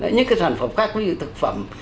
những sản phẩm khác như thực phẩm